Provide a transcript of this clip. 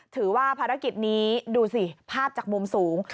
ถือว่าภารกิจนี้ดูสิภาพจากมุมสูง